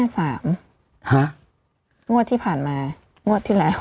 จะออก๕๓ห้ะวัดที่ผ่านมาวัดที่แล้ว